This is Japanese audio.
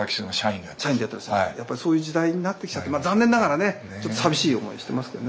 やっぱそういう時代になってきちゃってまあ残念ながらねちょっと寂しい思いしてますけどね